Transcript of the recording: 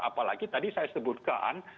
apalagi tadi saya sebutkan